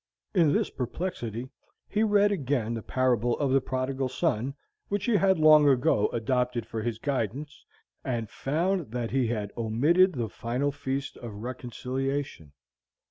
In this perplexity, he read again the parable of the Prodigal Son, which he had long ago adopted for his guidance, and found that he had omitted the final feast of reconciliation.